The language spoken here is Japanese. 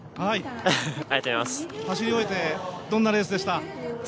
走り終えてどんなレースでした？